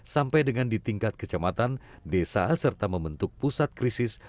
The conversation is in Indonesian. sampai dengan ditingkat kecamatan desa serta membentuk pusat krisis